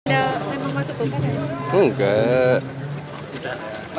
tidak memang masuk kebuka kan